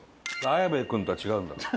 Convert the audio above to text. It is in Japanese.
綾部君とは違うんだから。